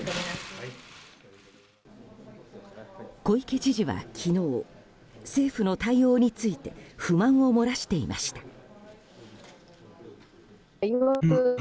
小池知事は昨日政府の対応について不満を漏らしていました。